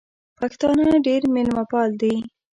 پښتانه ډېر مېلمه پال دي